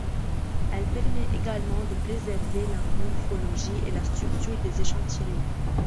Elle permet également de préserver la morphologie et la structure des échantillons.